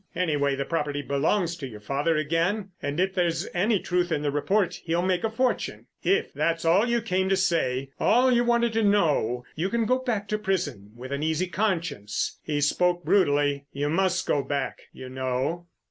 Anyway, the property belongs to your father again, and if there's any truth in the report he'll make a fortune. If that's all you came to say, all you wanted to know, you can go back to prison with an easy conscience." He spoke brutally. "You must go back, you know."